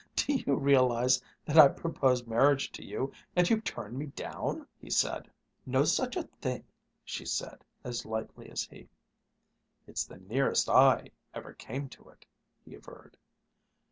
"Do you realize that I've proposed marriage to you and you've turned me down?" he said. "No such a thing!" she said, as lightly as he. "It's the nearest I ever came to it!" he averred.